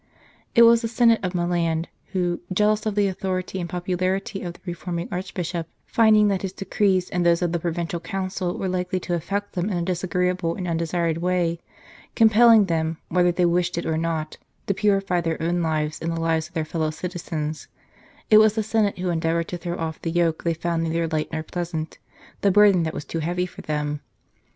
It was the Senate of Milan who, jealous of the authority and popularity of the reforming Arch bishop, rinding that his decrees and those of the Provincial Council were likely to affect them in a disagreeable and undesired way, compelling them, whether they wished it or not, to purify their own lives and the lives of their fellow citizens it was the Senate who endeavoured to throw off the yoke they found neither light nor pleasant, the burden that was too heavy for them.